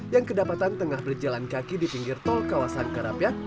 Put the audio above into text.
yang kedapatan tengah berjalan kaki di pinggir tol kawasan karapiak